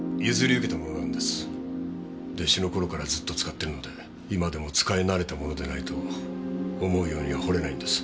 弟子の頃からずっと使っているので今でも使い慣れたものでないと思うようには彫れないんです。